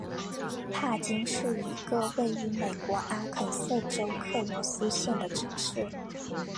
帕金是一个位于美国阿肯色州克罗斯县的城市。